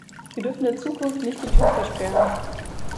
Wir dürfen der Zukunft nicht die Tür versperren.